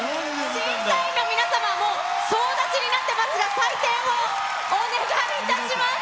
審査員の皆様も、もう総立ちになってますが、採点をお願いいたします。